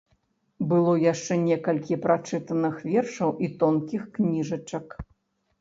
Было яшчэ некалькі прачытаных вершаў і тонкіх кніжачак.